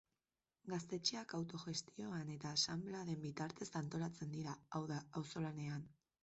Gaztetxeak autogestioan eta asanbladen bitartez antolatzen dira, hau da, auzolanean.